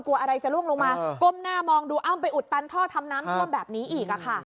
กลัวอะไรจะล่วงลงมาก้มหน้ามองดูอ้ำไปอุดตันท่อทำน้ำท่วมแบบนี้อีกอะค่ะ